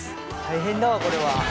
大変だわこれは。